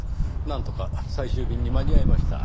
なんとか最終便に間に合いました。